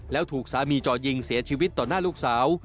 แล้วถูกสามีจ่อยิงเสียชีวิตต่อหน้าลูกสาว